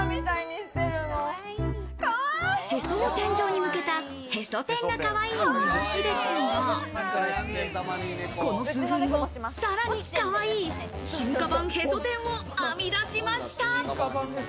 へそを天井に向けたへそ天がかわいいにぼしですが、この数分後、さらにかわいい進化版ヘソ天をあみ出しました。